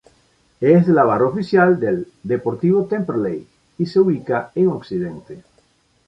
Es la barra oficial del "Deportivo Temperley" y se ubica en Occidente.